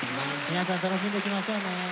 皆さん楽しんでいきましょうね。